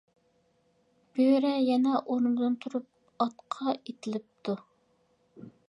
بۆرە يەنە ئورنىدىن تۇرۇپ ئاتقا ئېتىلىپتۇ.